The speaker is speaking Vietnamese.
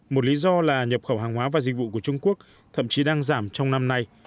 một lý do là nhập khẩu hàng hóa và dịch vụ của trung quốc thậm chí đang giảm trong năm nay